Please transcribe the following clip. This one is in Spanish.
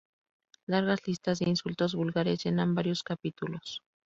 Largas listas de insultos vulgares llenan varios capítulos.